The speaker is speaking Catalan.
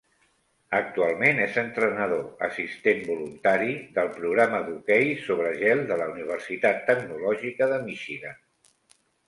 Actualment és entrenador assistent voluntari del programa d'hoquei sobre gel de la universitat tecnològica de Michigan.